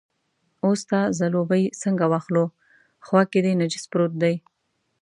اوس ستا ځلوبۍ څنګه واخلو، خوا کې دې نجس پروت دی.